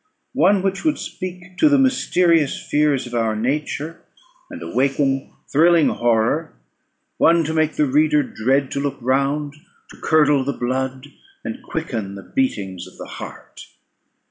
One which would speak to the mysterious fears of our nature, and awaken thrilling horror one to make the reader dread to look round, to curdle the blood, and quicken the beatings of the heart.